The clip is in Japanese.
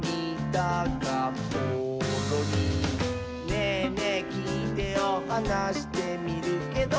「『ねぇねぇきいてよ』はなしてみるけど」